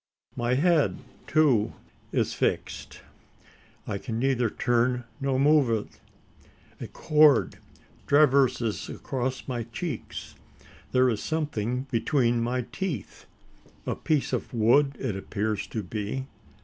My head, too, is fixed: I can neither turn nor move it. A cord traverses across my cheeks. There is something between my teeth. A piece of wood it appears to be?